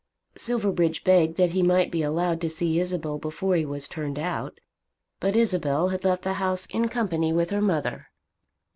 Silverbridge begged that he might be allowed to see Isabel before he was turned out; but Isabel had left the house in company with her mother.